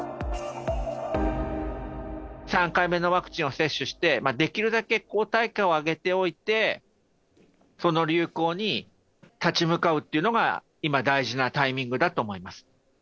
３回目のワクチンを接種して、できるだけ抗体価を上げておいて、その流行に立ち向かうっていうのが、今、大事なタイミングだと思います。